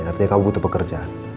artinya kamu butuh pekerjaan